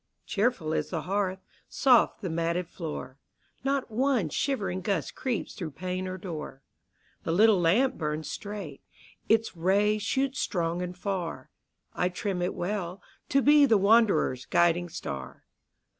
Cheerful is the hearth, soft the matted floor; Not one shivering gust creeps through pane or door; The little lamp burns straight, its rays shoot strong and far: I trim it well, to be the wanderer's guiding star.